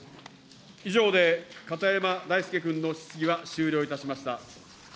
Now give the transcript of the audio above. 以上で片山大介君の質疑は終了いたしました。